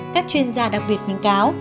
các chuyên gia đặc biệt khuyến cáo